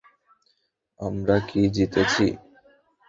আমরা কি জিতেছি?